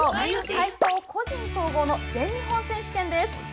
体操個人総合の全日本選手権です。